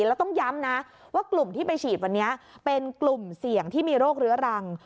แล้วต้องย้ำนะว่ากลุ่มที่ไปฉีดวันนี้เป็นกลุ่มเสี่ยงที่มีโรคเรื้อรัง